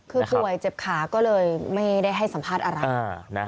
คือป่วยเจ็บขาก็เลยไม่ได้ให้สัมภาษณ์อะไร